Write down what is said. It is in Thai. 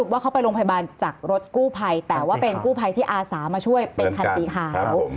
ว่าเขาไปโรงพยาบาลจากรถกู้ภัยแต่ว่าเป็นกู้ภัยที่อาสามาช่วยเป็นคันสีขาว